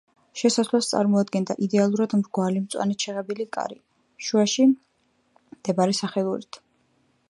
შესასვლელს წარმოადგენდა იდეალურად მრგვალი მწვანედ შეღებილი კარი, შუაში მდებარე სახელურით.